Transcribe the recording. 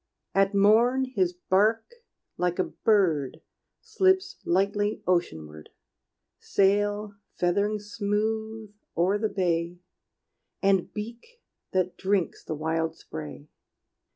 At morn his bark like a bird Slips lightly oceanward Sail feathering smooth o'er the bay And beak that drinks the wild spray.